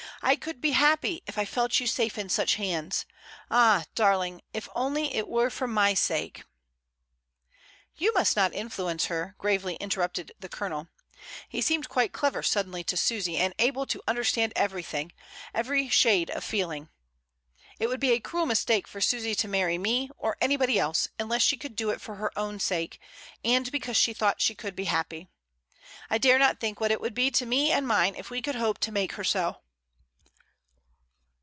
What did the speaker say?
"I could be happy, if I felt you safe in such hands. Ah ! dar ling, if it were only for my sake!" "You must not influence her," gravely inter rupted the Colonel. He seemed quite clever sud denly to Susy, and able to understand everything — every shade of feeling. "It would be a cruel mis take for Susy to marry me, or anybody else, unless she could do it for her own sake, and because she thought she could be happy. I dare not think what it would be to me and mine if we could hopq to make her so."